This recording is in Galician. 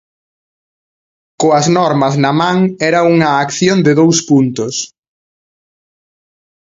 Coas normas na man era unha acción de dous puntos.